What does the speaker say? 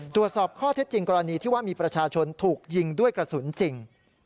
ตรวจสอบข้อเท็จจริงกรณีที่ว่ามีประชาชนถูกยิงด้วยกระสุนจริง